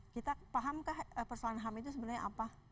kita pahamkah persoalan ham itu sebenarnya apa